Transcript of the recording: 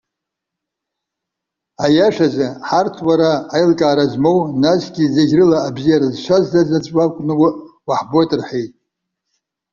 Аиашазы, ҳарҭ уара аилкаара змоу, насгьы зегь рыла абзиара зҽазҭаз аӡә уакәны уаҳбоит,- рҳәеит.